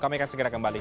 kami akan segera kembali